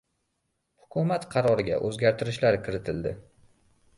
hukumat qaroriga o‘zgartirishlar kiritildi.